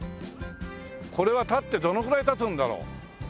これは建ってどのくらい経つんだろう。